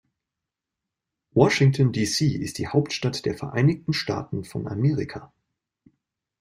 Washington, D.C. ist die Hauptstadt der Vereinigten Staaten von Amerika.